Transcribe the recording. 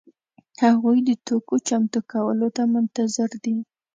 هغوی د توکو چمتو کولو ته منتظر دي.